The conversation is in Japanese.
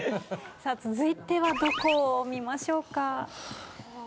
さぁ続いてはどこを見ましょうか？